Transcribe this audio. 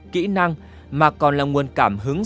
kỹ năng mà còn là nguồn cảm hứng